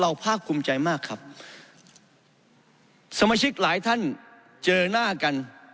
ภาคภูมิใจมากครับสมาชิกหลายท่านเจอหน้ากัน